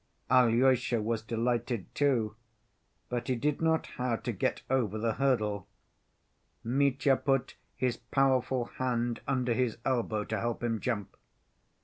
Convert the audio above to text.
Alyosha was delighted too, but he did not know how to get over the hurdle. Mitya put his powerful hand under his elbow to help him jump.